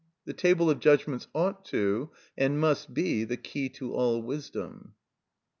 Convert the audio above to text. The table of judgments ought to, and must, be the key to all wisdom.